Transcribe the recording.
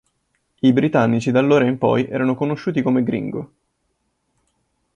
I britannici da allora in poi erano conosciuti come "gringo".